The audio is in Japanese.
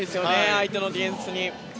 相手のディフェンスに。